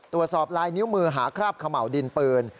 ตรวจสอบลายนิ้วมือหาคราบเขม่าวดินปืน